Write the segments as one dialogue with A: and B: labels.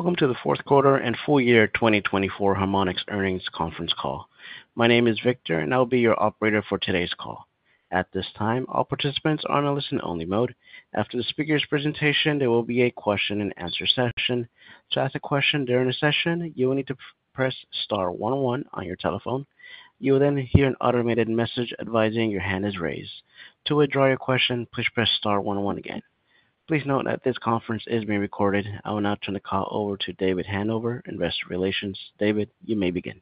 A: Welcome to the Fourth Quarter and Full Year 2024 Harmonic's Earnings Conference Call. My name is Victor, and I'll be your operator for today's call. At this time, all participants are in a listen-only mode. After the speaker's presentation, there will be a question-and-answer session. To ask a question during the session, you will need to press star one one on your telephone. You will then hear an automated message advising your hand is raised. To withdraw your question, please press star one one again. Please note that this conference is being recorded. I will now turn the call over to David Hanover, Investor Relations. David, you may begin.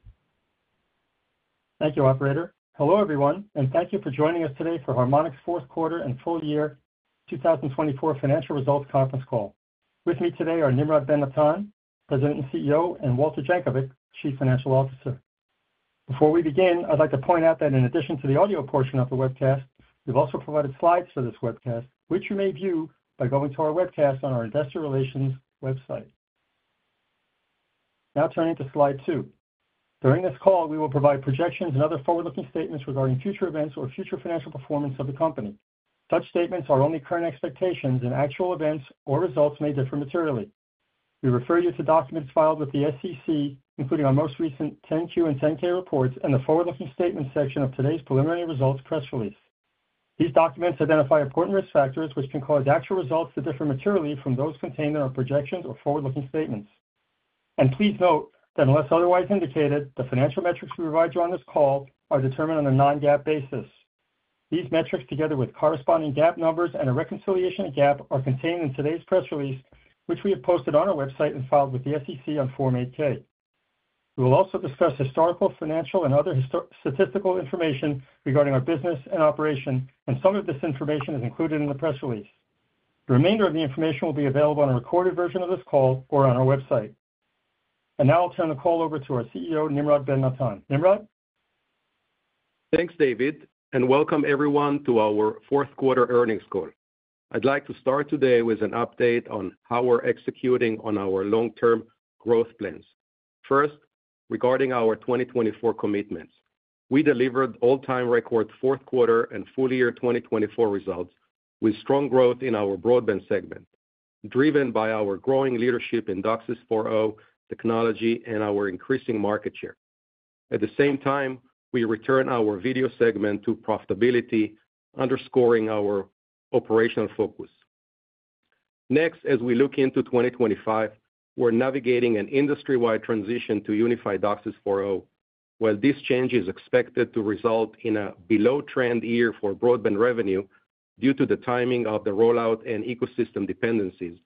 B: Thank you, Operator. Hello, everyone, and thank you for joining us today for Harmonic's Fourth Quarter and Full Year 2024 Financial Results Conference Call. With me today are Nimrod Ben-Natan, President and CEO, and Walter Jankovic, Chief Financial Officer. Before we begin, I'd like to point out that in addition to the audio portion of the webcast, we've also provided slides for this webcast, which you may view by going to our webcast on our Investor Relations website. Now turning to slide two. During this call, we will provide projections and other forward-looking statements regarding future events or future financial performance of the company. Such statements are only current expectations, and actual events or results may differ materially. We refer you to documents filed with the SEC, including our most recent 10-Q and 10-K reports and the forward-looking statements section of today's preliminary results press release. These documents identify important risk factors which can cause actual results to differ materially from those contained in our projections or forward-looking statements. And please note that unless otherwise indicated, the financial metrics we provide you on this call are determined on a non-GAAP basis. These metrics, together with corresponding GAAP numbers and a reconciliation to GAAP, are contained in today's press release, which we have posted on our website and filed with the SEC on Form 8-K. We will also discuss historical, financial, and other statistical information regarding our business and operations, and some of this information is included in the press release. The remainder of the information will be available on a recorded version of this call or on our website. And now I'll turn the call over to our CEO, Nimrod Ben-Natan. Nimrod?
C: Thanks, David, and welcome everyone to our fourth quarter earnings call. I'd like to start today with an update on how we're executing on our long-term growth plans. First, regarding our 2024 commitments, we delivered all-time record fourth quarter and full year 2024 results with strong growth in our Broadband segment, driven by our growing leadership in DOCSIS 4.0 technology and our increasing market share. At the same time, we return our video segment to profitability, underscoring our operational focus. Next, as we look into 2025, we're navigating an industry-wide transition to Unified DOCSIS 4.0. While this change is expected to result in a below-trend year for Broadband revenue due to the timing of the rollout and ecosystem dependencies,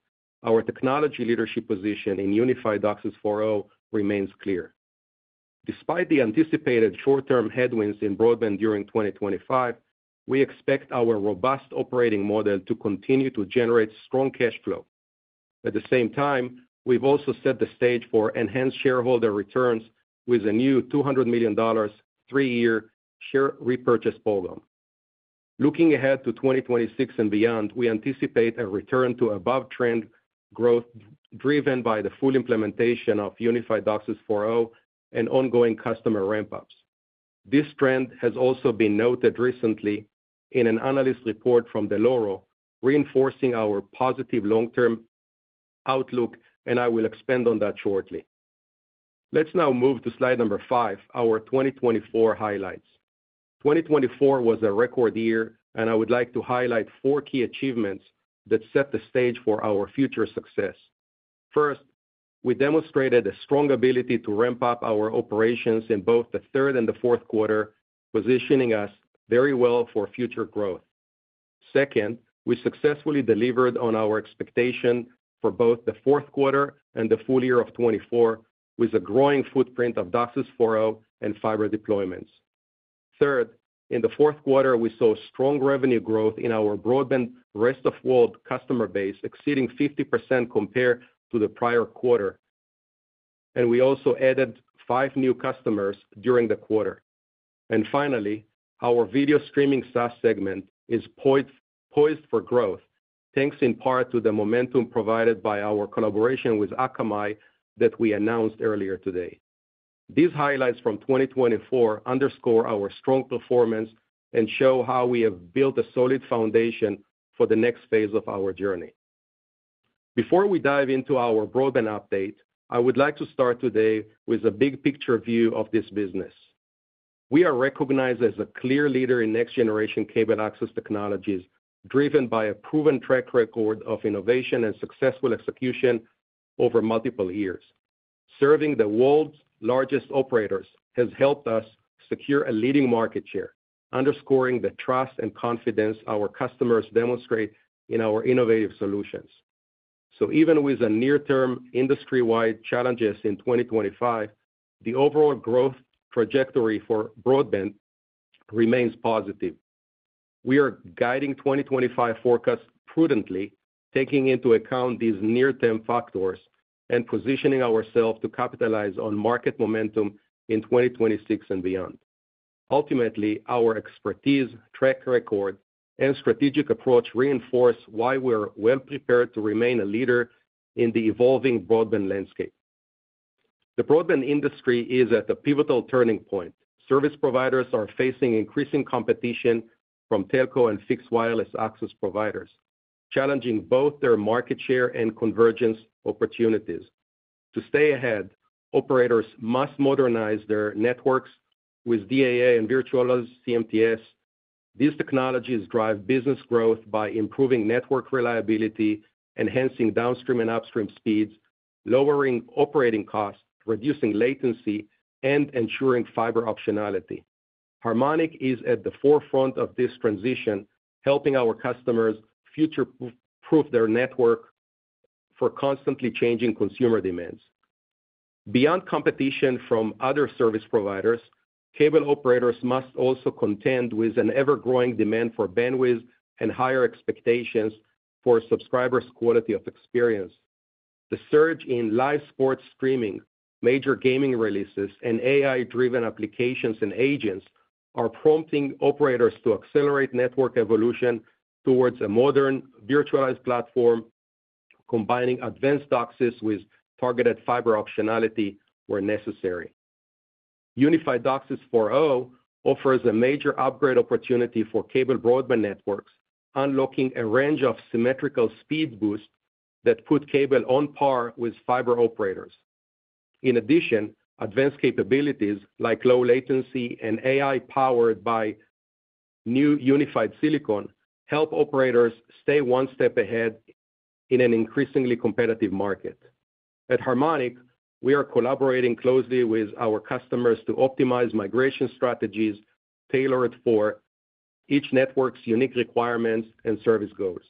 C: our technology leadership position in Unified DOCSIS 4.0 remains clear. Despite the anticipated short-term headwinds in Broadband during 2025, we expect our robust operating model to continue to generate strong cash flow. At the same time, we've also set the stage for enhanced shareholder returns with a new $200 million three-year share repurchase program. Looking ahead to 2026 and beyond, we anticipate a return to above-trend growth driven by the full implementation of Unified DOCSIS 4.0 and ongoing customer ramp-ups. This trend has also been noted recently in an analyst report from Dell'Oro, reinforcing our positive long-term outlook, and I will expand on that shortly. Let's now move to slide number five, our 2024 highlights. 2024 was a record year, and I would like to highlight four key achievements that set the stage for our future success. First, we demonstrated a strong ability to ramp up our operations in both the third and the fourth quarter, positioning us very well for future growth. Second, we successfully delivered on our expectation for both the fourth quarter and the full year of 2024 with a growing footprint of DOCSIS 4.0 and fiber deployments. Third, in the fourth quarter, we saw strong revenue growth in our broadband Rest of World customer base, exceeding 50% compared to the prior quarter, and we also added five new customers during the quarter, and finally, our video streaming SaaS segment is poised for growth, thanks in part to the momentum provided by our collaboration with Akamai that we announced earlier today. These highlights from 2024 underscore our strong performance and show how we have built a solid foundation for the next phase of our journey. Before we dive into our broadband update, I would like to start today with a big-picture view of this business. We are recognized as a clear leader in next-generation cable access technologies, driven by a proven track record of innovation and successful execution over multiple years. Serving the world's largest operators has helped us secure a leading market share, underscoring the trust and confidence our customers demonstrate in our innovative solutions. So even with the near-term industry-wide challenges in 2025, the overall growth trajectory for Broadband remains positive. We are guiding 2025 forecasts prudently, taking into account these near-term factors and positioning ourselves to capitalize on market momentum in 2026 and beyond. Ultimately, our expertise, track record, and strategic approach reinforce why we're well-prepared to remain a leader in the evolving broadband landscape. The broadband industry is at a pivotal turning point. Service providers are facing increasing competition from telco and fixed wireless access providers, challenging both their market share and convergence opportunities. To stay ahead, operators must modernize their networks with DAA and virtual CMTS. These technologies drive business growth by improving network reliability, enhancing downstream and upstream speeds, lowering operating costs, reducing latency, and ensuring fiber optionality. Harmonic is at the forefront of this transition, helping our customers future-proof their network for constantly changing consumer demands. Beyond competition from other service providers, cable operators must also contend with an ever-growing demand for bandwidth and higher expectations for subscribers' quality of experience. The surge in live sports streaming, major gaming releases, and AI-driven applications and agents are prompting operators to accelerate network evolution towards a modern virtualized platform, combining advanced DOCSIS with targeted fiber optionality where necessary. Unified DOCSIS 4.0 offers a major upgrade opportunity for cable broadband networks, unlocking a range of symmetrical speed boosts that put cable on par with fiber operators. In addition, advanced capabilities like low latency and AI powered by new unified silicon help operators stay one step ahead in an increasingly competitive market. At Harmonic, we are collaborating closely with our customers to optimize migration strategies tailored for each network's unique requirements and service goals.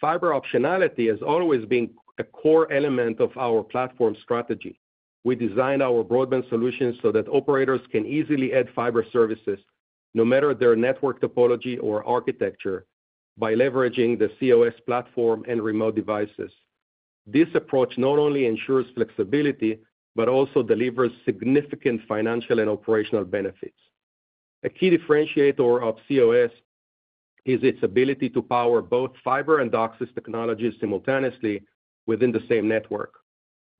C: Fiber optionality has always been a core element of our platform strategy. We designed our broadband solutions so that operators can easily add fiber services, no matter their network topology or architecture, by leveraging the cOS platform and remote devices. This approach not only ensures flexibility but also delivers significant financial and operational benefits. A key differentiator of cOS is its ability to power both fiber and DOCSIS technologies simultaneously within the same network.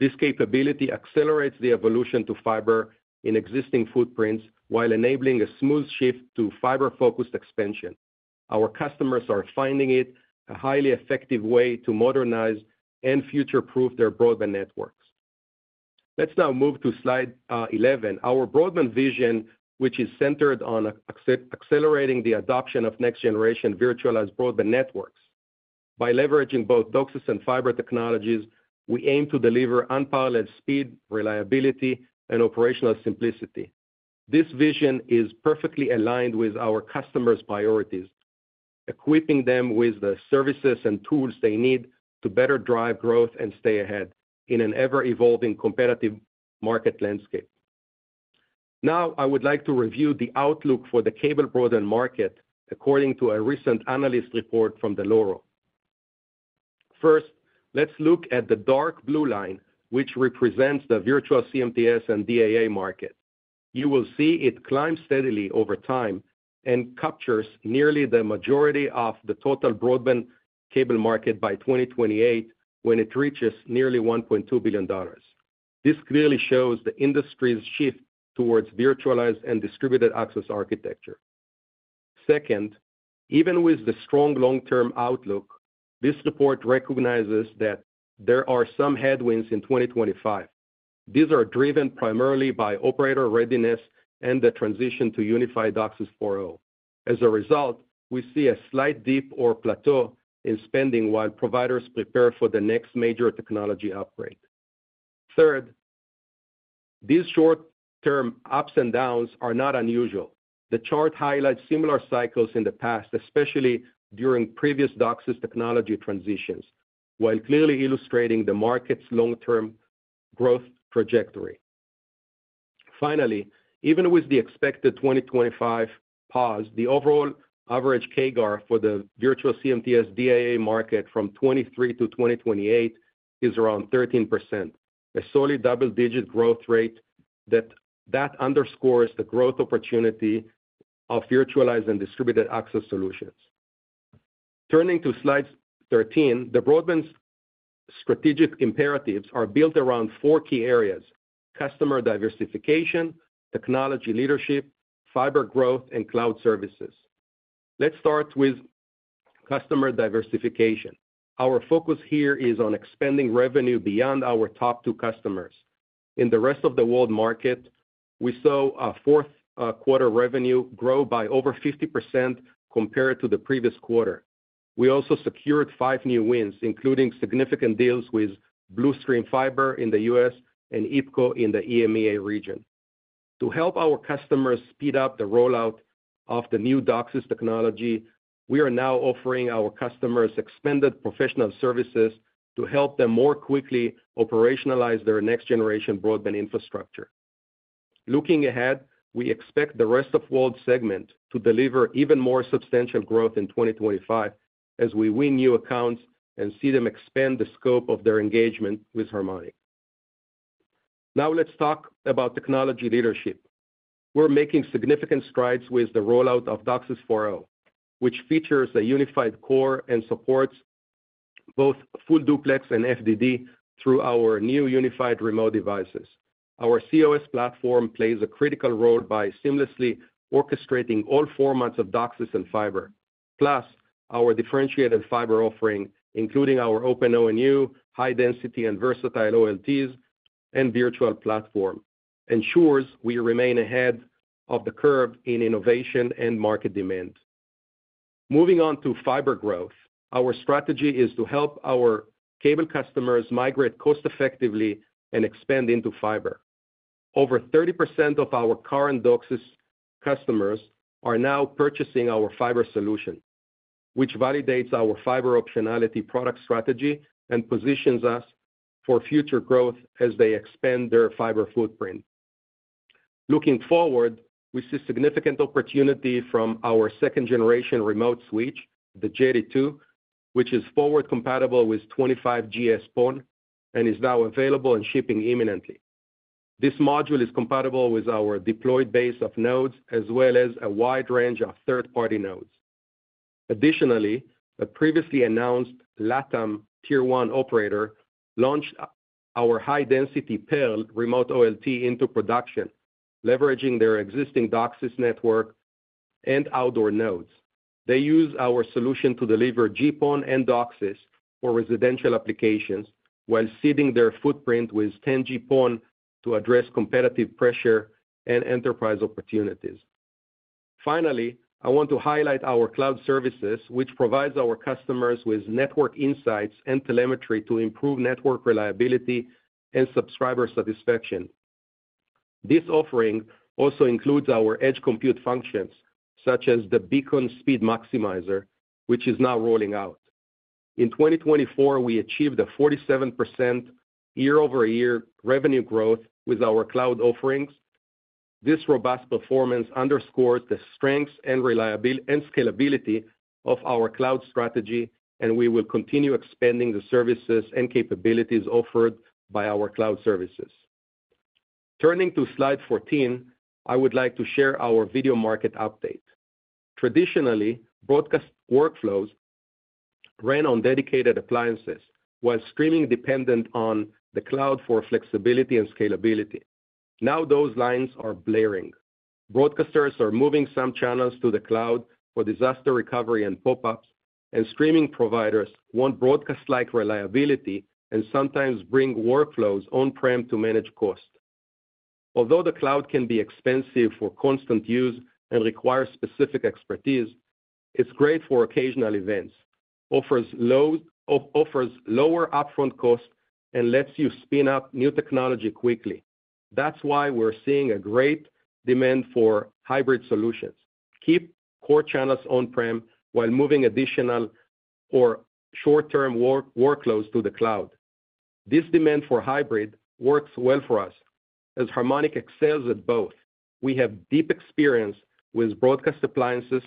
C: This capability accelerates the evolution to fiber in existing footprints while enabling a smooth shift to fiber-focused expansion. Our customers are finding it a highly effective way to modernize and future-proof their broadband networks. Let's now move to slide 11. Our broadband vision, which is centered on accelerating the adoption of next-generation virtualized broadband networks. By leveraging both DOCSIS and fiber technologies, we aim to deliver unparalleled speed, reliability, and operational simplicity. This vision is perfectly aligned with our customers' priorities, equipping them with the services and tools they need to better drive growth and stay ahead in an ever-evolving competitive market landscape. Now, I would like to review the outlook for the cable broadband market according to a recent analyst report from Dell'Oro. First, let's look at the dark blue line, which represents the virtual CMTS and DAA market. You will see it climb steadily over time and captures nearly the majority of the total broadband cable market by 2028 when it reaches nearly $1.2 billion. This clearly shows the industry's shift towards virtualized and distributed access architecture. Second, even with the strong long-term outlook, this report recognizes that there are some headwinds in 2025. These are driven primarily by operator readiness and the transition to Unified DOCSIS 4.0. As a result, we see a slight dip or plateau in spending while providers prepare for the next major technology upgrade. Third, these short-term ups and downs are not unusual. The chart highlights similar cycles in the past, especially during previous DOCSIS technology transitions, while clearly illustrating the market's long-term growth trajectory. Finally, even with the expected 2025 pause, the overall average CAGR for the virtual CMTS DAA market from 2023 to 2028 is around 13%, a solid double-digit growth rate that underscores the growth opportunity of virtualized and distributed access solutions. Turning to slide 13, the broadband's strategic imperatives are built around four key areas: customer diversification, technology leadership, fiber growth, and cloud services. Let's start with customer diversification. Our focus here is on expanding revenue beyond our top two customers. In the Rest of the World market, we saw a fourth quarter revenue grow by over 50% compared to the previous quarter. We also secured five new wins, including significant deals with Blue Stream Fiber in the U.S. and IPKO in the EMEA region. To help our customers speed up the rollout of the new DOCSIS technology, we are now offering our customers extended professional services to help them more quickly operationalize their next-generation broadband infrastructure. Looking ahead, we expect the Rest of World segment to deliver even more substantial growth in 2025 as we win new accounts and see them expand the scope of their engagement with Harmonic. Now, let's talk about technology leadership. We're making significant strides with the rollout of DOCSIS 4.0, which features a Unified Core and supports both Full Duplex and FDD through our new Unified Remote Devices. Our cOS platform plays a critical role by seamlessly orchestrating all formats of DOCSIS and fiber. Plus, our differentiated fiber offering, including our Open ONU, high-density, and versatile OLTs and virtual platform, ensures we remain ahead of the curve in innovation and market demand. Moving on to fiber growth, our strategy is to help our cable customers migrate cost-effectively and expand into fiber. Over 30% of our current DOCSIS customers are now purchasing our fiber solution, which validates our fiber optionality product strategy and positions us for future growth as they expand their fiber footprint. Looking forward, we see significant opportunity from our second-generation remote switch, the Jetty-2, which is forward-compatible with 25GS-PON and is now available in shipping imminently. This module is compatible with our deployed base of nodes as well as a wide range of third-party nodes. Additionally, a previously announced LATAM Tier 1 operator launched our high-density Pier Remote OLT into production, leveraging their existing DOCSIS network and outdoor nodes. They use our solution to deliver GPON and DOCSIS for residential applications while seeding their footprint with 10G PON to address competitive pressure and enterprise opportunities. Finally, I want to highlight our cloud services, which provide our customers with network insights and telemetry to improve network reliability and subscriber satisfaction. This offering also includes our edge compute functions, such as the Beacon Speed Maximizer, which is now rolling out. In 2024, we achieved a 47% year-over-year revenue growth with our cloud offerings. This robust performance underscores the strengths and scalability of our cloud strategy, and we will continue expanding the services and capabilities offered by our cloud services. Turning to slide 14, I would like to share our video market update. Traditionally, broadcast workflows ran on dedicated appliances while streaming depended on the cloud for flexibility and scalability. Now, those lines are blurring. Broadcasters are moving some channels to the cloud for disaster recovery and pop-ups, and streaming providers want broadcast-like reliability and sometimes bring workflows on-prem to manage cost. Although the cloud can be expensive for constant use and requires specific expertise, it's great for occasional events, offers lower upfront costs, and lets you spin up new technology quickly. That's why we're seeing a great demand for hybrid solutions. Keep core channels on-prem while moving additional or short-term workloads to the cloud. This demand for hybrid works well for us, as Harmonic excels at both. We have deep experience with broadcast appliances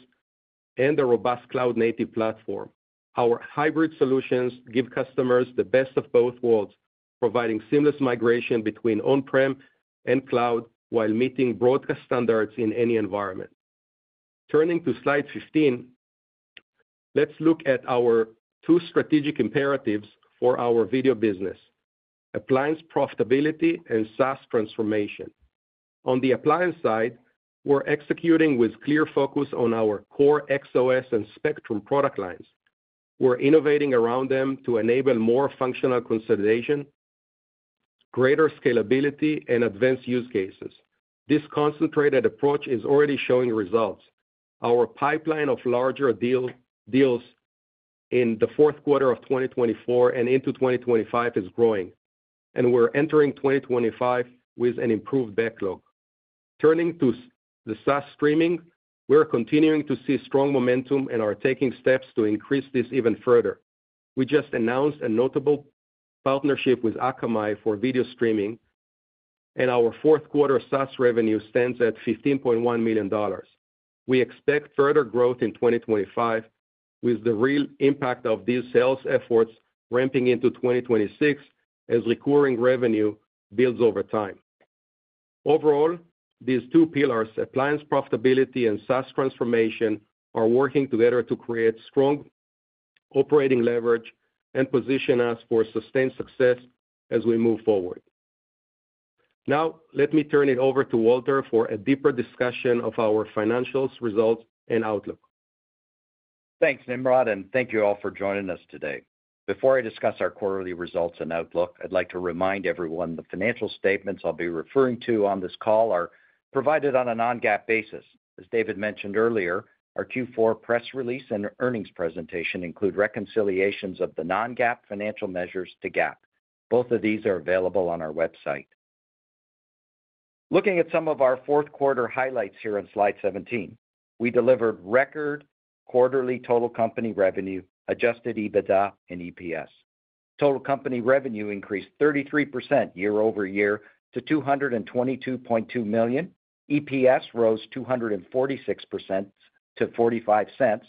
C: and a robust cloud-native platform. Our hybrid solutions give customers the best of both worlds, providing seamless migration between on-prem and cloud while meeting broadcast standards in any environment. Turning to slide 15, let's look at our two strategic imperatives for our video business: Appliance Profitability and SaaS Transformation. On the Appliance side, we're executing with clear focus on our core XOS and Spectrum product lines. We're innovating around them to enable more functional consolidation, greater scalability, and advanced use cases. This concentrated approach is already showing results. Our pipeline of larger deals in the fourth quarter of 2024 and into 2025 is growing, and we're entering 2025 with an improved backlog. Turning to the SaaS streaming, we're continuing to see strong momentum and are taking steps to increase this even further. We just announced a notable partnership with Akamai for video streaming, and our fourth quarter SaaS revenue stands at $15.1 million. We expect further growth in 2025 with the real impact of these sales efforts ramping into 2026 as recurring revenue builds over time. Overall, these two pillars, appliance profitability and SaaS transformation, are working together to create strong operating leverage and position us for sustained success as we move forward. Now, let me turn it over to Walter for a deeper discussion of our financials, results, and outlook.
D: Thanks, Nimrod, and thank you all for joining us today. Before I discuss our quarterly results and outlook, I'd like to remind everyone the financial statements I'll be referring to on this call are provided on a non-GAAP basis. As David mentioned earlier, our Q4 press release and earnings presentation include reconciliations of the non-GAAP financial measures to GAAP. Both of these are available on our website. Looking at some of our fourth quarter highlights here on slide 17, we delivered record quarterly total company revenue, adjusted EBITDA, and EPS. Total company revenue increased 33% year-over-year to $222.2 million. EPS rose 246% to $0.45,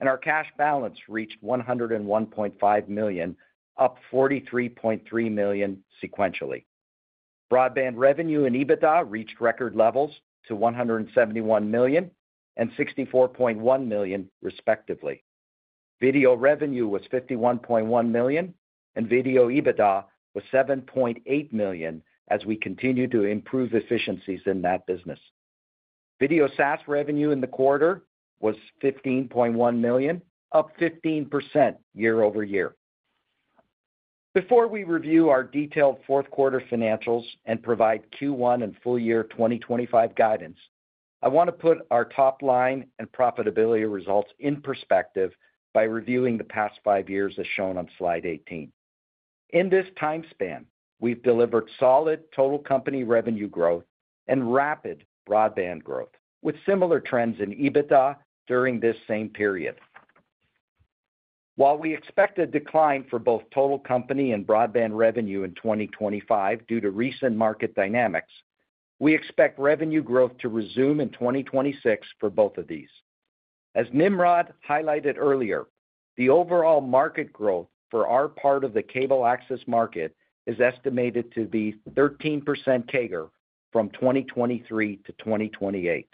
D: and our cash balance reached $101.5 million, up $43.3 million sequentially. Broadband revenue and EBITDA reached record levels to $171 million and $64.1 million, respectively. Video revenue was $51.1 million, and video EBITDA was $7.8 million as we continue to improve efficiencies in that business. Video SaaS revenue in the quarter was $15.1 million, up 15% year-over-year. Before we review our detailed fourth quarter financials and provide Q1 and full year 2025 guidance, I want to put our top line and profitability results in perspective by reviewing the past five years as shown on slide 18. In this time span, we've delivered solid total company revenue growth and rapid broadband growth, with similar trends in EBITDA during this same period. While we expect a decline for both total company and broadband revenue in 2025 due to recent market dynamics, we expect revenue growth to resume in 2026 for both of these. As Nimrod highlighted earlier, the overall market growth for our part of the cable access market is estimated to be 13% CAGR from 2023 to 2028.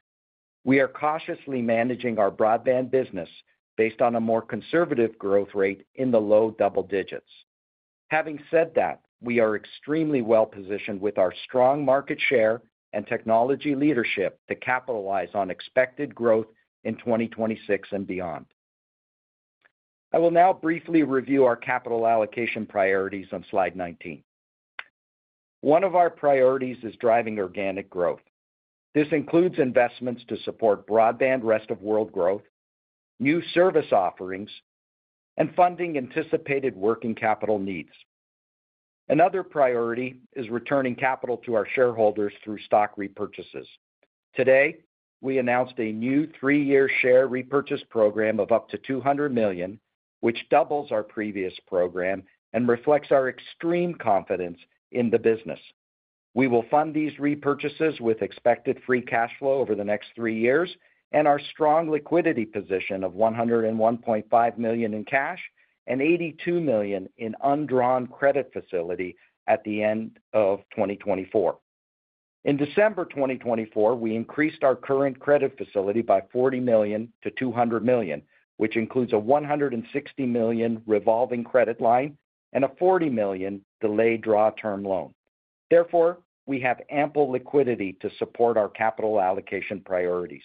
D: We are cautiously managing our broadband business based on a more conservative growth rate in the low double digits. Having said that, we are extremely well-positioned with our strong market share and technology leadership to capitalize on expected growth in 2026 and beyond. I will now briefly review our capital allocation priorities on slide 19. One of our priorities is driving organic growth. This includes investments to support broadband Rest of World growth, new service offerings, and funding anticipated working capital needs. Another priority is returning capital to our shareholders through stock repurchases. Today, we announced a new three-year share repurchase program of up to $200 million, which doubles our previous program and reflects our extreme confidence in the business. We will fund these repurchases with expected free cash flow over the next three years and our strong liquidity position of $101.5 million in cash and $82 million in undrawn credit facility at the end of 2024. In December 2024, we increased our current credit facility by $40 million to $200 million, which includes a $160 million revolving credit line and a $40 million delayed draw term loan. Therefore, we have ample liquidity to support our capital allocation priorities.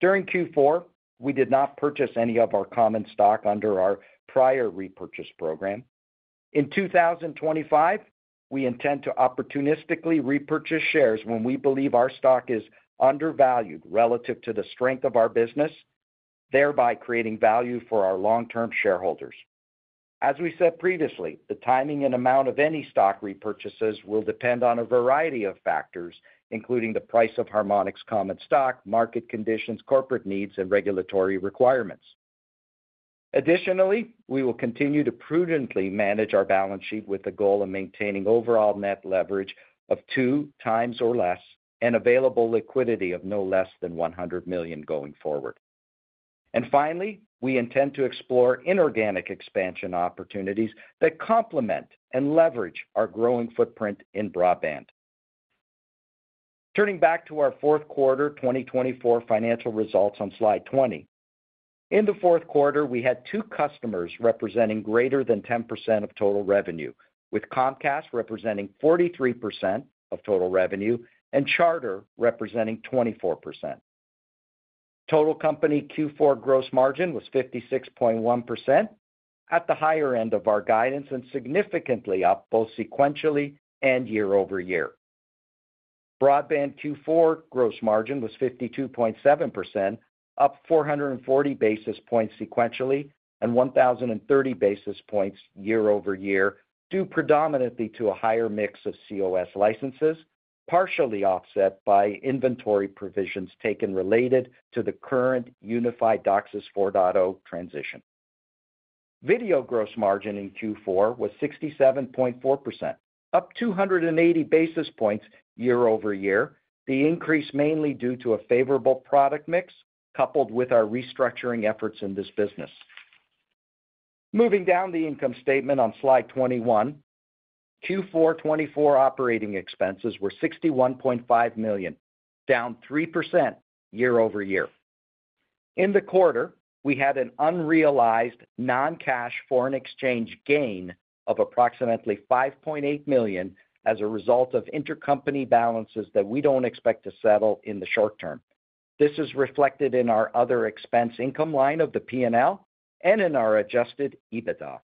D: During Q4, we did not purchase any of our common stock under our prior repurchase program. In 2025, we intend to opportunistically repurchase shares when we believe our stock is undervalued relative to the strength of our business, thereby creating value for our long-term shareholders. As we said previously, the timing and amount of any stock repurchases will depend on a variety of factors, including the price of Harmonic's common stock, market conditions, corporate needs, and regulatory requirements. Additionally, we will continue to prudently manage our balance sheet with the goal of maintaining overall net leverage of two times or less and available liquidity of no less than $100 million going forward. And finally, we intend to explore inorganic expansion opportunities that complement and leverage our growing footprint in broadband. Turning back to our fourth quarter 2024 financial results on slide 20. In the fourth quarter, we had two customers representing greater than 10% of total revenue, with Comcast representing 43% of total revenue and Charter representing 24%. Total company Q4 gross margin was 56.1%, at the higher end of our guidance and significantly up both sequentially and year-over-year. Broadband Q4 gross margin was 52.7%, up 440 basis points sequentially and 1,030 basis points year-over-year due predominantly to a higher mix of cOS licenses, partially offset by inventory provisions taken related to the current Unified DOCSIS 4.0 transition. Video gross margin in Q4 was 67.4%, up 280 basis points year-over-year, the increase mainly due to a favorable product mix coupled with our restructuring efforts in this business. Moving down the income statement on slide 21, Q4 2024 operating expenses were $61.5 million, down 3% year-over-year. In the quarter, we had an unrealized non-cash foreign exchange gain of approximately $5.8 million as a result of intercompany balances that we don't expect to settle in the short term. This is reflected in our other expense income line of the P&L and in our adjusted EBITDA.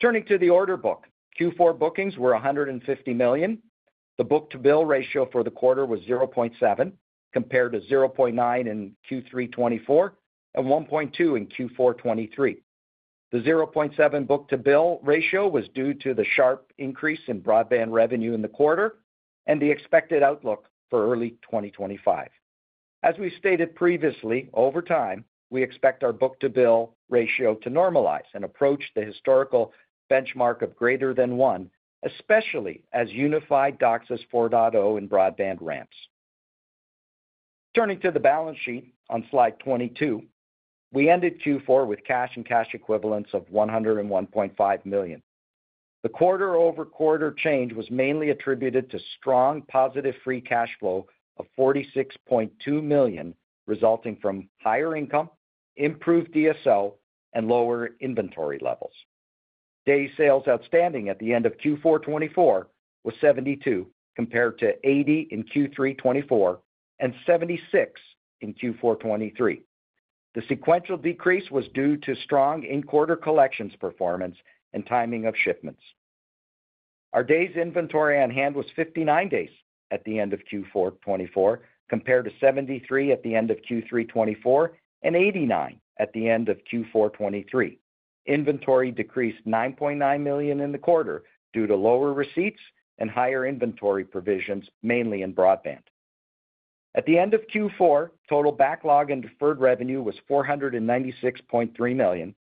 D: Turning to the order book, Q4 bookings were $150 million. The book-to-bill ratio for the quarter was 0.7, compared to 0.9 in Q3 2024 and 1.2 in Q4 2023. The 0.7 book-to-bill ratio was due to the sharp increase in broadband revenue in the quarter and the expected outlook for early 2025. As we stated previously, over time, we expect our book-to-bill ratio to normalize and approach the historical benchmark of greater than one, especially as Unified DOCSIS 4.0 and broadband ramps. Turning to the balance sheet on slide 22, we ended Q4 with cash and cash equivalents of $101.5 million. The quarter-over-quarter change was mainly attributed to strong positive free cash flow of $46.2 million, resulting from higher income, improved DSO, and lower inventory levels. Days sales outstanding at the end of Q4 2024 was 72 days, compared to 80 days in Q3 2024 and 76 days in Q4 2023. The sequential decrease was due to strong inquiry collections performance and timing of shipments. Our Days inventory on hand was 59 days at the end of Q4 2024, compared to 73 days at the end of Q3 2024 and 89 days at the end of Q4 2023. Inventory decreased $9.9 million in the quarter due to lower receipts and higher inventory provisions, mainly in broadband. At the end of Q4 2024, total backlog and deferred revenue was $496.3 million.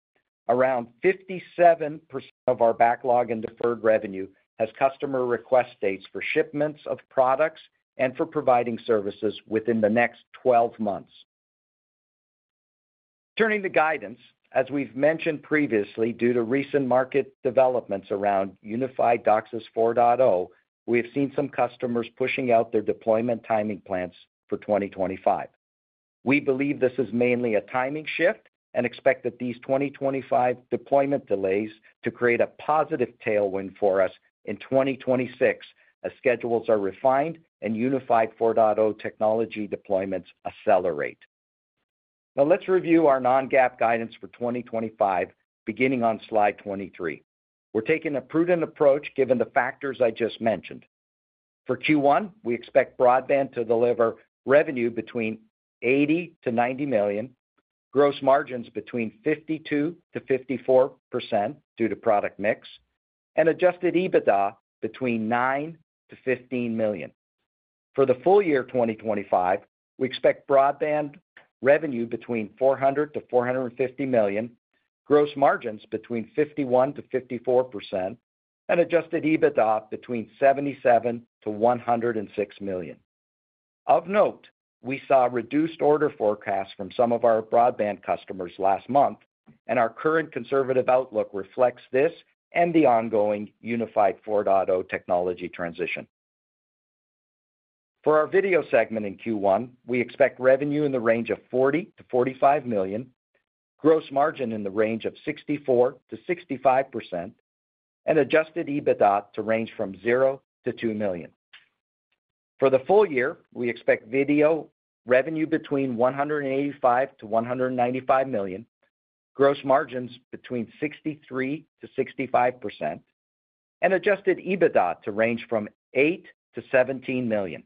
D: Around 57% of our backlog and deferred revenue has customer request dates for shipments of products and for providing services within the next 12 months. Turning to guidance, as we've mentioned previously, due to recent market developments around Unified DOCSIS 4.0, we have seen some customers pushing out their deployment timing plans for 2025. We believe this is mainly a timing shift and expect that these 2025 deployment delays to create a positive tailwind for us in 2026 as schedules are refined and Unified 4.0 technology deployments accelerate. Now, let's review our non-GAAP guidance for 2025, beginning on slide 23. We're taking a prudent approach given the factors I just mentioned. For Q1, we expect broadband to deliver revenue between $80-$90 million, gross margins between 52%-54% due to product mix, and adjusted EBITDA between $9-$15 million. For the full year 2025, we expect broadband revenue between $400-$450 million, gross margins between 51%-54%, and adjusted EBITDA between $77-$106 million. Of note, we saw reduced order forecasts from some of our broadband customers last month, and our current conservative outlook reflects this and the ongoing Unified 4.0 technology transition. For our Video segment in Q1, we expect revenue in the range of $40-$45 million, gross margin in the range of 64%-65%, and adjusted EBITDA to range from $0-$2 million. For the full year, we expect Video revenue between $185-$195 million, gross margins between 63%-65%, and adjusted EBITDA to range from $8-$17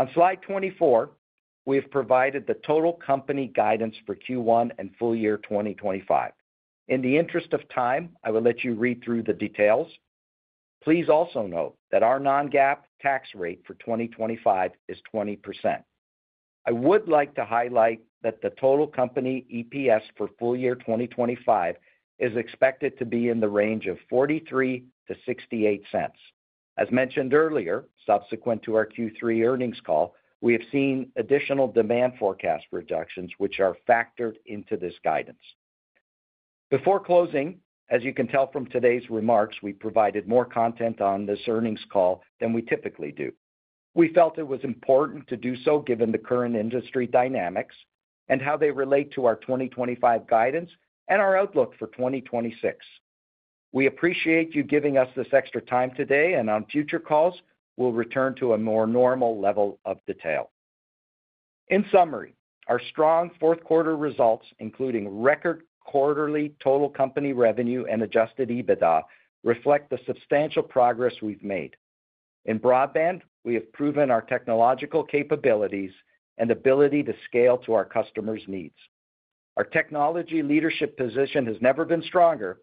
D: million. On slide 24, we have provided the total company guidance for Q1 and full year 2025. In the interest of time, I will let you read through the details. Please also note that our non-GAAP tax rate for 2025 is 20%. I would like to highlight that the total company EPS for full year 2025 is expected to be in the range of $0.43-$0.68. As mentioned earlier, subsequent to our Q3 earnings call, we have seen additional demand forecast reductions, which are factored into this guidance. Before closing, as you can tell from today's remarks, we provided more content on this earnings call than we typically do. We felt it was important to do so given the current industry dynamics and how they relate to our 2025 guidance and our outlook for 2026. We appreciate you giving us this extra time today, and on future calls, we'll return to a more normal level of detail. In summary, our strong fourth quarter results, including record quarterly total company revenue and adjusted EBITDA, reflect the substantial progress we've made. In broadband, we have proven our technological capabilities and ability to scale to our customers' needs. Our technology leadership position has never been stronger,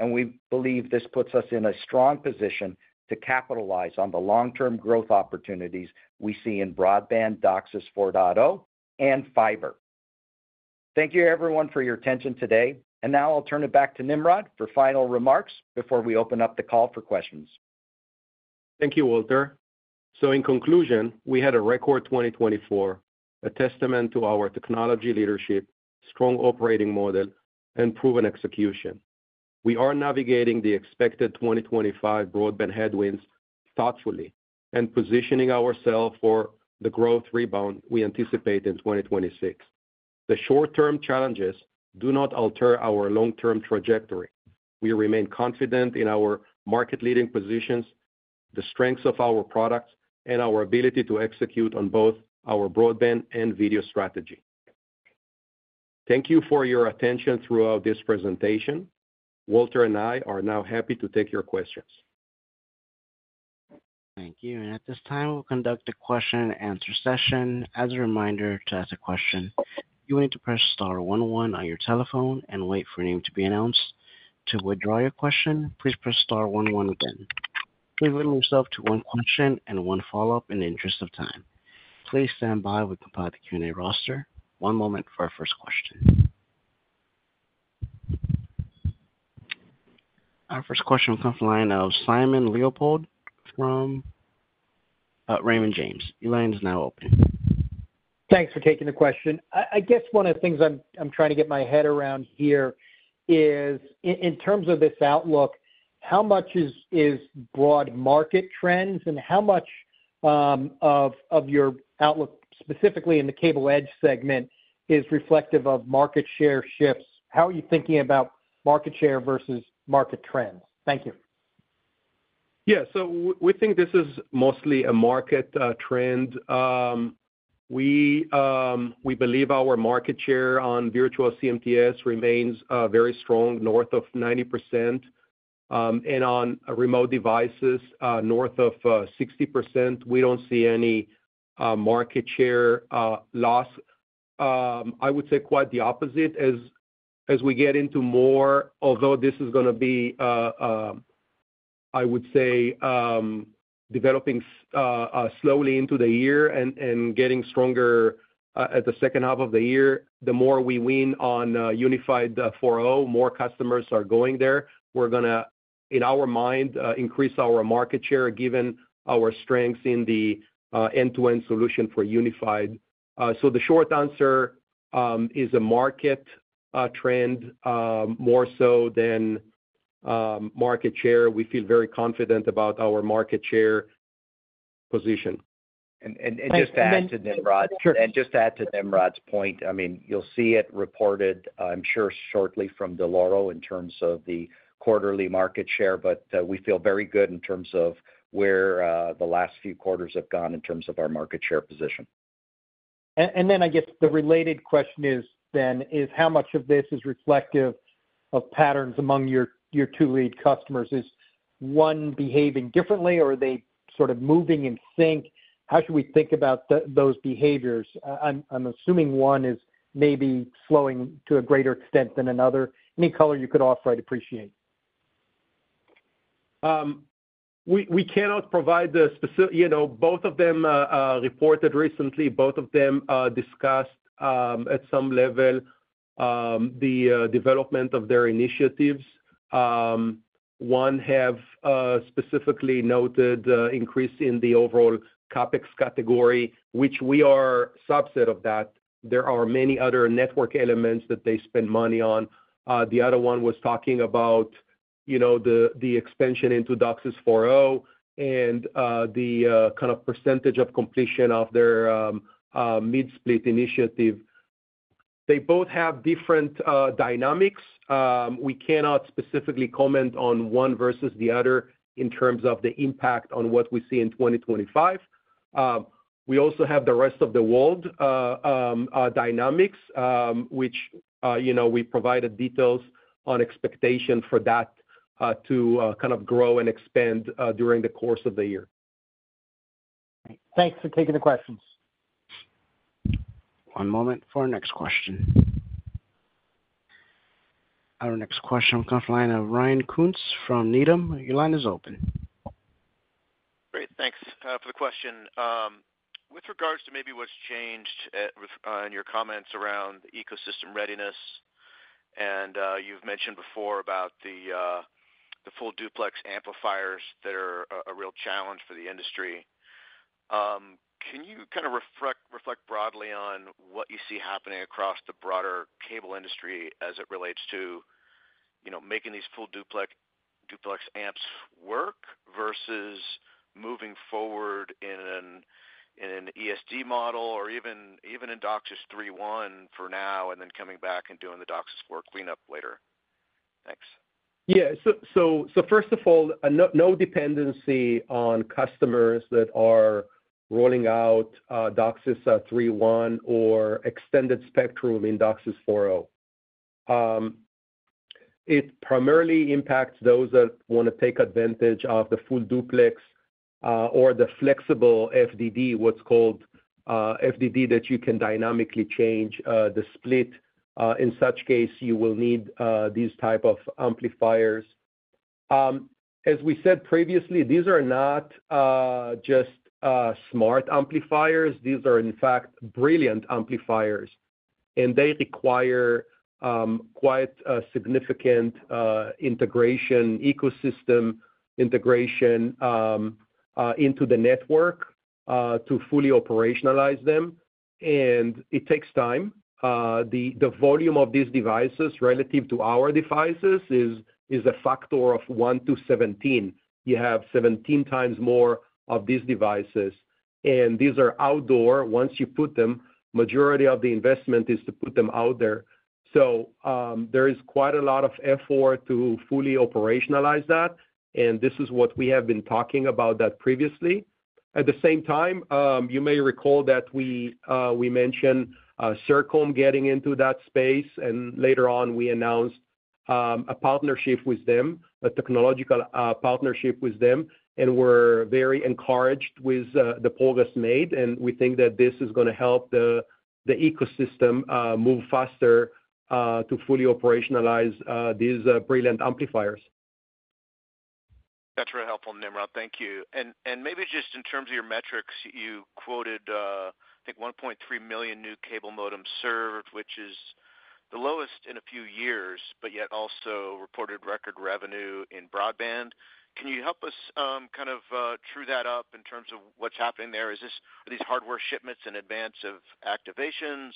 D: and we believe this puts us in a strong position to capitalize on the long-term growth opportunities we see in broadband DOCSIS 4.0 and fiber. Thank you, everyone, for your attention today, and now I'll turn it back to Nimrod for final remarks before we open up the call for questions.
C: Thank you, Walter, so in conclusion, we had a record 2024, a testament to our technology leadership, strong operating model, and proven execution. We are navigating the expected 2025 broadband headwinds thoughtfully and positioning ourselves for the growth rebound we anticipate in 2026. The short-term challenges do not alter our long-term trajectory. We remain confident in our market-leading positions, the strengths of our products, and our ability to execute on both our broadband and video strategy. Thank you for your attention throughout this presentation. Walter and I are now happy to take your questions.
A: Thank you, and at this time, we'll conduct a question-and-answer session. As a reminder to ask a question, you will need to press star one one one on your telephone and wait for your name to be announced. To withdraw your question, please press star one one again. Please limit yourself to one question and one follow-up in the interest of time. Please stand by while we compile the Q&A roster. One moment for our first question. Our first question will come from the line of Simon Leopold from Raymond James. Your line is now open.
E: Thanks for taking the question. I guess one of the things I'm trying to get my head around here is, in terms of this outlook, how much is broad market trends and how much of your outlook, specifically in the cable-edge segment, is reflective of market share shifts? How are you thinking about market share versus market trends? Thank you.
C: Yeah, so we think this is mostly a market trend. We believe our market share on virtual CMTS remains very strong, north of 90%, and on Remote devices, north of 60%. We don't see any market share loss. I would say quite the opposite as we get into more, although this is going to be, I would say, developing slowly into the year and getting stronger at the second half of the year. The more we win on Unified 4.0, more customers are going there. We're going to, in our mind, increase our market share given our strengths in the end-to-end solution for Unified. So, the short answer is a market trend more so than market share. We feel very confident about our market share position.
D: And just to add to Nimrod, and just to add to Nimrod's point, I mean, you'll see it reported, I'm sure, shortly from Dell'Oro in terms of the quarterly market share, but we feel very good in terms of where the last few quarters have gone in terms of our market share position.
E: And then I guess the related question is then, is how much of this is reflective of patterns among your two lead customers? Is one behaving differently, or are they sort of moving in sync? How should we think about those behaviors? I'm assuming one is maybe slowing to a greater extent than another. Any color you could offer, I'd appreciate.
C: We cannot provide the specifics both of them reported recently. Both of them discussed at some level the development of their initiatives. One has specifically noted an increase in the overall CapEx category, which we are a subset of that. There are many other network elements that they spend money on. The other one was talking about the expansion into DOCSIS 4.0 and the kind of percentage of completion of their mid-split initiative. They both have different dynamics. We cannot specifically comment on one versus the other in terms of the impact on what we see in 2025. We also have the Rest of the World dynamics, which we provided details on expectation for that to kind of grow and expand during the course of the year.
E: Thanks for taking the questions.
A: One moment for our next question. Our next question will come from the line of Ryan Koontz from Needham. Your line is open.
F: Great. Thanks for the question. With regards to maybe what's changed in your comments around the ecosystem readiness, and you've mentioned before about the Full Duplex amplifiers that are a real challenge for the industry. Can you kind of reflect broadly on what you see happening across the broader cable industry as it relates to making these full duplex amps work versus moving forward in an ESD model or even in DOCSIS 3.1 for now and then coming back and doing the DOCSIS 4.0 cleanup later? Thanks.
C: Yeah. So first of all, no dependency on customers that are rolling out DOCSIS 3.1 or Extended Spectrum in DOCSIS 4.0. It primarily impacts those that want to take advantage of the Full Duplex or the Flexible FDD, what's called FDD that you can dynamically change the split. In such case, you will need these types of amplifiers. As we said previously, these are not just smart amplifiers. These are, in fact, brilliant amplifiers. And they require quite a significant integration, ecosystem integration into the network to fully operationalize them. And it takes time. The volume of these devices relative to our devices is a factor of 1 to 17. You have 17 times more of these devices. And these are outdoor. Once you put them, the majority of the investment is to put them out there. So, there is quite a lot of effort to fully operationalize that. And this is what we have been talking about previously. At the same time, you may recall that we mentioned Sercomm getting into that space. And later on, we announced a partnership with them, a technological partnership with them. And we're very encouraged with the progress made. And we think that this is going to help the ecosystem move faster to fully operationalize these brilliant amplifiers.
F: That's really helpful, Nimrod. Thank you. And maybe just in terms of your metrics, you quoted, I think, 1.3 million new cable modems served, which is the lowest in a few years, but yet also reported record revenue in broadband. Can you help us kind of true that up in terms of what's happening there? Are these hardware shipments in advance of activations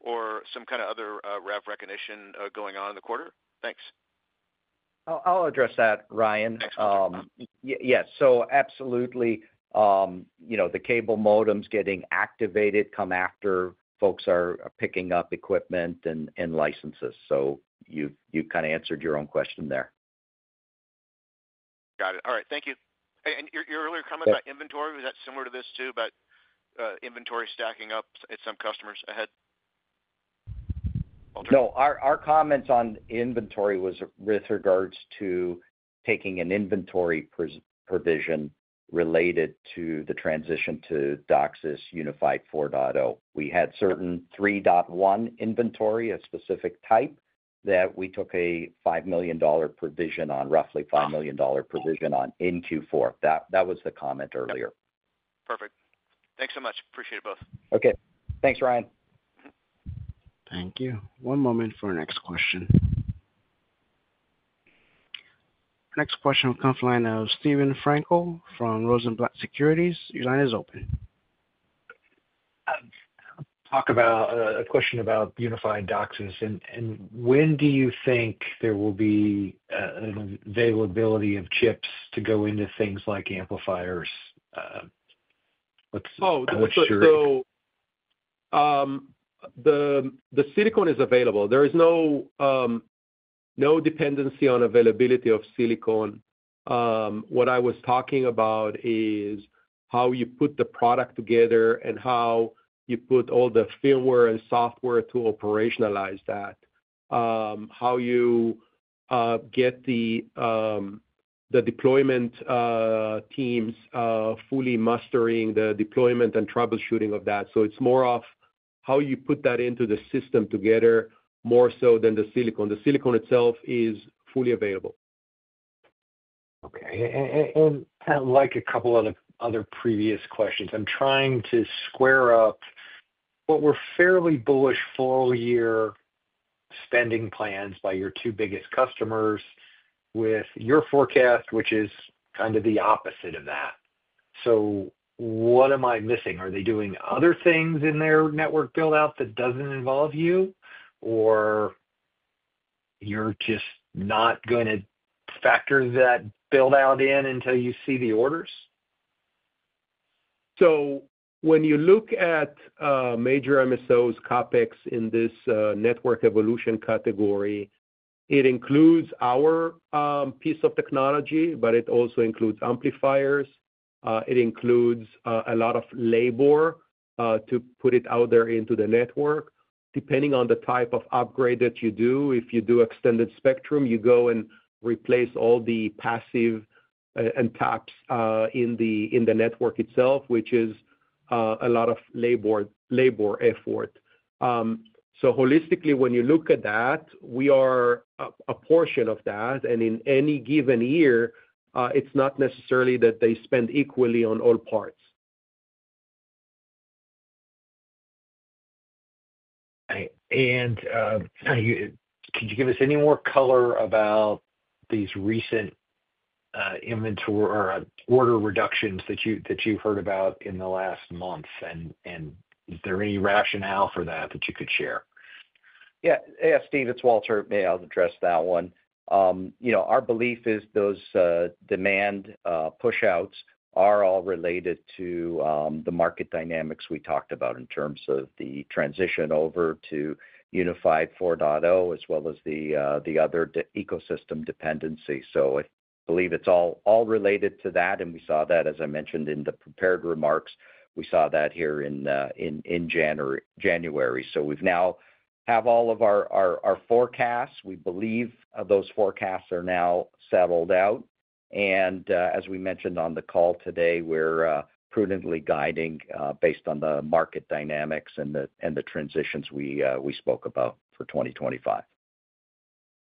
F: or some kind of other revenue recognition going on in the quarter? Thanks.
D: I'll address that, Ryan. Thanks. Yeah. So absolutely, the cable modems getting activated come after folks are picking up equipment and licenses. So, you kind of answered your own question there.
F: Got it. All right. Thank you. And your earlier comment about inventory, was that similar to this too, but inventory stacking up at some customers ahead?
D: No. Our comments on inventory was with regards to taking an inventory provision related to the transition to Unified DOCSIS 4.0. We had certain 3.1 inventory, a specific type that we took a $5 million provision on, roughly $5 million provision on in Q4. That was the comment earlier.
F: Perfect. Thanks so much. Appreciate it both.
D: Okay. Thanks, Ryan.
A: Thank you. One moment for our next question. Next question will come from Steven Frankel from Rosenblatt Securities. Your line is open.
G: Talk about a question about Unified DOCSIS. And when do you think there will be an availability of chips to go into things like amplifiers?
C: Oh, the chip, though. The silicon is available. There is no dependency on availability of silicon. What I was talking about is how you put the product together and how you put all the firmware and software to operationalize that, how you get the deployment teams fully mustering the deployment and troubleshooting of that. So it's more of how you put that into the system together more so than the silicon. The silicon itself is fully available.
G: Okay. And kind of like a couple of other previous questions, I'm trying to square up what were fairly bullish full-year spending plans by your two biggest customers with your forecast, which is kind of the opposite of that. So what am I missing? Are they doing other things in their network buildout that doesn't involve you, or you're just not going to factor that buildout in until you see the orders?
C: So, when you look at major MSOs, CapEx in this network evolution category, it includes our piece of technology, but it also includes amplifiers. It includes a lot of labor to put it out there into the network. Depending on the type of upgrade that you do, if you do extended spectrum, you go and replace all the passive and taps in the network itself, which is a lot of labor effort. So, holistically, when you look at that, we are a portion of that. And in any given year, it's not necessarily that they spend equally on all parts.
G: And could you give us any more color about these recent inventory or order reductions that you've heard about in the last month? And is there any rationale for that that you could share?
D: Yeah. Yeah, Steve, it's Walter. Maybe I'll address that one. Our belief is those demand pushouts are all related to the market dynamics we talked about in terms of the transition over to Unified 4.0 as well as the other ecosystem dependency. So, I believe it's all related to that. And we saw that, as I mentioned in the prepared remarks, we saw that here in January. So, we've now have all of our forecasts. We believe those forecasts are now settled out. And as we mentioned on the call today, we're prudently guiding based on the market dynamics and the transitions we spoke about for 2025.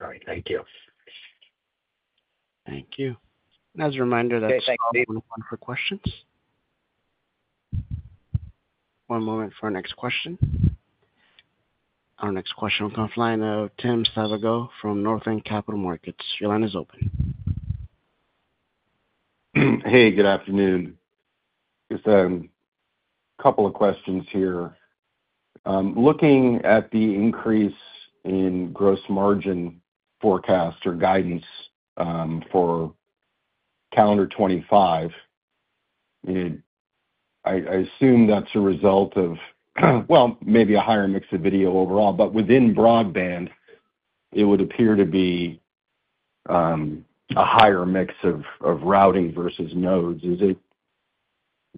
G: All right. Thank you.
D: Thank you.
A: And as a reminder, that's all we have for questions. One moment for our next question. Our next question will come from the line of Tim Savageaux from Northland Capital Markets. Your line is open.
H: Hey, good afternoon. Just a couple of questions here. Looking at the increase in gross margin forecast or guidance for calendar 2025, I assume that's a result of, well, maybe a higher mix of video overall. But within broadband, it would appear to be a higher mix of routing versus nodes.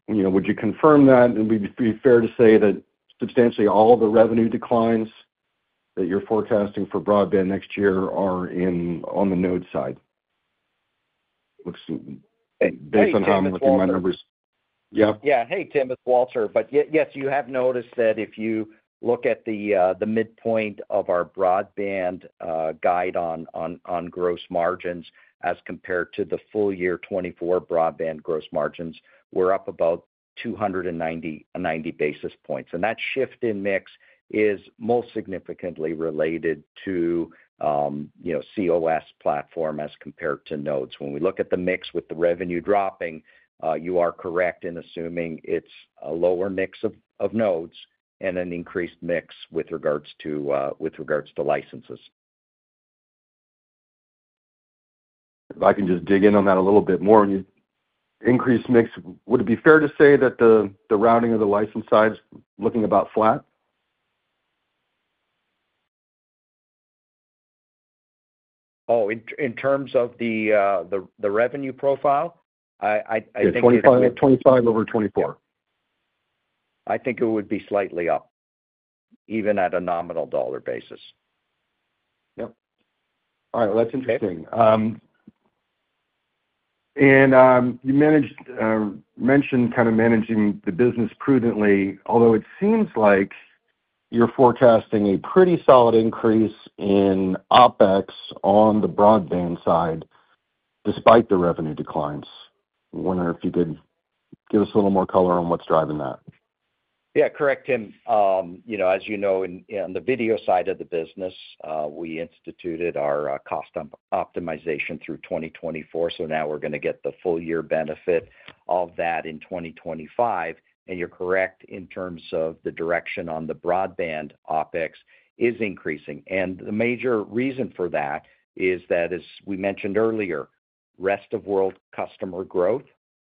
H: Would you confirm that? And would it be fair to say that substantially all the revenue declines that you're forecasting for broadband next year are on the node side? Based on how I'm looking at my numbers.
D: Yeah. Yeah. Hey, Tim, it's Walter. But yes, you have noticed that if you look at the midpoint of our broadband guide on gross margins as compared to the full year 2024 broadband gross margins, we're up about 290 basis points. And that shift in mix is most significantly related to cOS platform as compared to nodes. When we look at the mix with the revenue dropping, you are correct in assuming it's a lower mix of nodes and an increased mix with regards to licenses.
H: If I can just dig in on that a little bit more, increased mix, would it be fair to say that the revenue of the license side is looking about flat?
D: Oh, in terms of the revenue profile?
H: I think it's 2025 over 2024.
D: I think it would be slightly up, even at a nominal dollar basis.
H: Yep. All right. Well, that's interesting. And you mentioned kind of managing the business prudently, although it seems like you're forecasting a pretty solid increase in OpEx on the broadband side despite the revenue declines. I wonder if you could give us a little more color on what's driving that.
D: Yeah. Correct, Tim. As you know, on the video side of the business, we instituted our cost optimization through 2024. So, now we're going to get the full-year benefit of that in 2025. And you're correct in terms of the direction on the broadband OpEx is increasing. And the major reason for that is that, as we mentioned earlier, Rest of World customer growth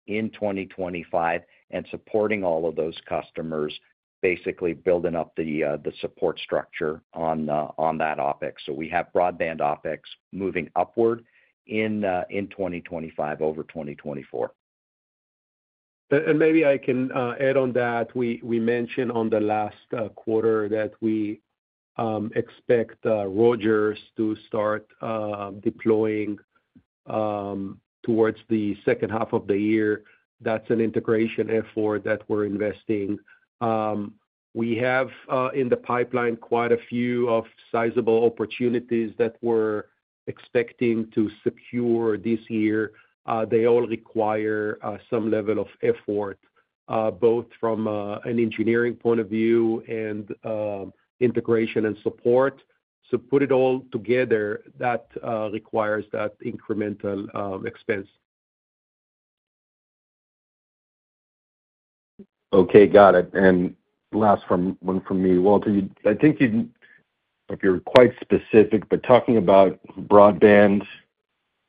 D: in 2025 and supporting all of those customers, basically building up the support structure on that OpEx. So, we have broadband OpEx moving upward in 2025 over 2024.
C: And maybe I can add on that. We mentioned on the last quarter that we expect Rogers to start deploying towards the second half of the year. That's an integration effort that we're investing. We have in the pipeline quite a few sizable opportunities that we're expecting to secure this year. They all require some level of effort, both from an engineering point of view and integration and support. So, put it all together, that requires that incremental expense.
H: Okay. Got it. And last one from me. Walter, I think you're quite specific, but talking about broadband,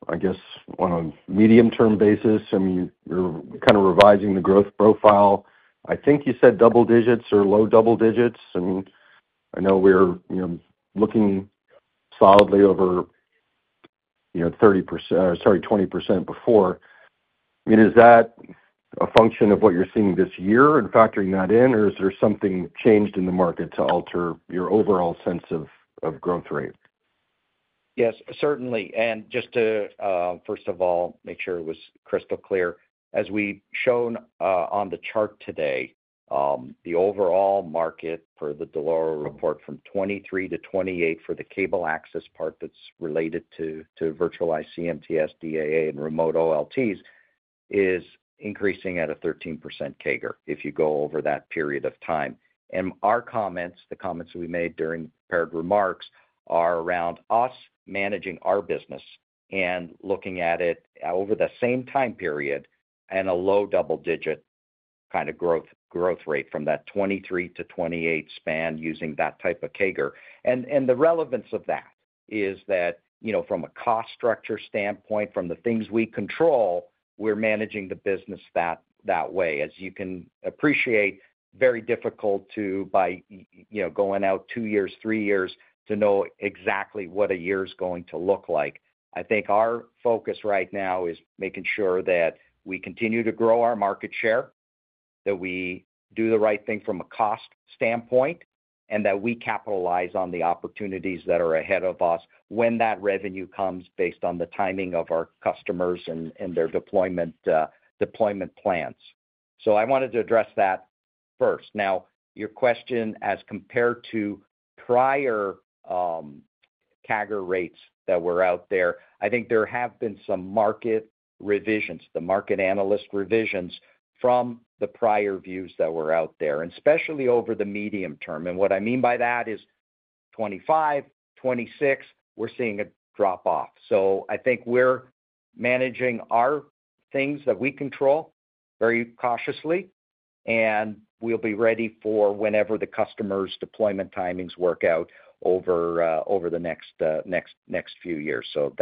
H: I guess on a medium-term basis, I mean, you're kind of revising the growth profile. I think you said double digits or low double digits. And I know we're looking solidly over 30% or sorry, 20% before. I mean, is that a function of what you're seeing this year and factoring that in, or is there something changed in the market to alter your overall sense of growth rate?
D: Yes, certainly. And just to, first of all, make sure it was crystal clear, as we've shown on the chart today, the overall market for the Dell'Oro report from 2023 to 2028 for the cable access part that's related to virtualized CMTS, DAA, and Remote OLTs is increasing at a 13% CAGR if you go over that period of time. And our comments, the comments we made during prepared remarks, are around us managing our business and looking at it over the same time period and a low double-digit kind of growth rate from that 2023 to 2028 span using that type of CAGR. The relevance of that is that from a cost structure standpoint, from the things we control, we're managing the business that way. As you can appreciate, very difficult to, by going out two years, three years, to know exactly what a year is going to look like. I think our focus right now is making sure that we continue to grow our market share, that we do the right thing from a cost standpoint, and that we capitalize on the opportunities that are ahead of us when that revenue comes based on the timing of our customers and their deployment plans. I wanted to address that first. Now, your question as compared to prior CAGR rates that were out there, I think there have been some market revisions, the market analyst revisions from the prior views that were out there, and especially over the medium term. And what I mean by that is 2025, 2026, we're seeing a drop-off. So, I think we're managing our things that we control very cautiously, and we'll be ready for whenever the customer's deployment timings work out over the next few years. So,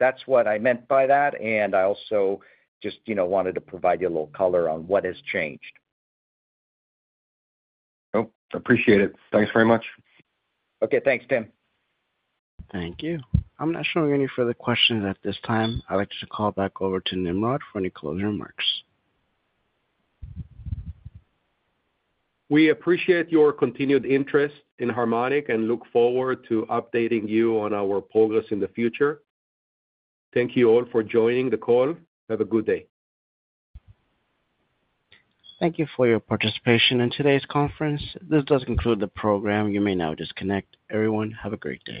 D: that's what I meant by that. And I also just wanted to provide you a little color on what has changed.
H: Nope. Appreciate it. Thanks very much.
D: Okay. Thanks, Tim.
A: Thank you. I'm not showing any further questions at this time. I'd like to call back over to Nimrod for any closing remarks.
C: We appreciate your continued interest in Harmonic and look forward to updating you on our progress in the future. Thank you all for joining the call. Have a good day.
A: Thank you for your participation in today's conference. This does conclude the program. You may now disconnect. Everyone, have a great day.